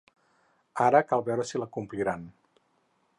Ara cal veure si la compliran.